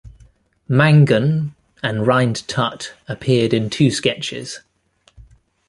Mangan and Rhind-Tutt appeared in two sketches.